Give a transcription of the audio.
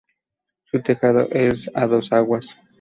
Su tejado es a dos aguas.